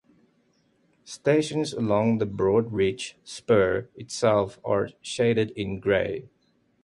Stations along the Broad-Ridge Spur itself are shaded in gray.